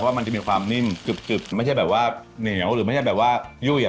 มันจะมีความนิ่มกึบไม่ใช่แบบว่าเหนียวหรือไม่ใช่แบบว่ายุ่ย